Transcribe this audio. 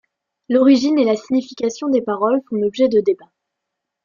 L'origine et la signification des paroles font l'objet de débats.